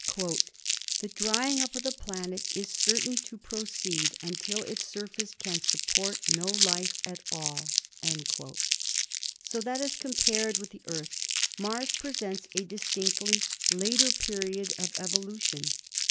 "The drying up of the planet is certain to proceed until its surface can support no life at all." So that, as compared with the Earth, Mars presents a distinctly later period of evolu tion.